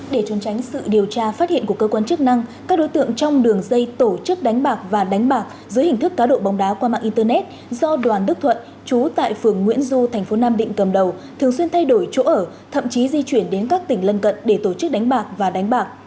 để trốn tránh sự điều tra phát hiện của cơ quan chức năng các đối tượng trong đường dây tổ chức đánh bạc và đánh bạc dưới hình thức cá độ bóng đá qua mạng internet do đoàn đức thuận chú tại phường nguyễn du tp nam định cầm đầu thường xuyên thay đổi chỗ ở thậm chí di chuyển đến các tỉnh lân cận để tổ chức đánh bạc và đánh bạc